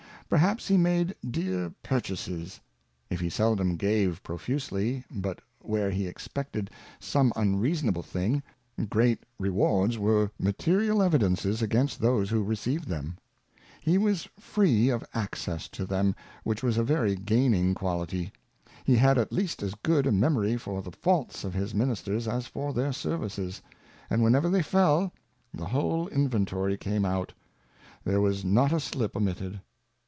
Perhaps he made dear Purchases : If he seldom gave pro fusely, but where he expected some unreasonable thing, great Rewards were material Evidences against those who received them. He was free of access to them, which was a very gaining Quality. He had at least as good a Memory for the Faults of his Ministers as for their Services ; and whenever they fell, the whole Inventory came out ; there was not a slip omitted.